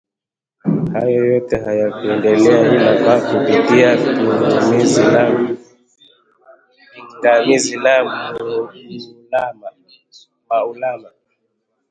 Hayo yote hayakuendelea ila kwa kupitia pingamizi ya maulamā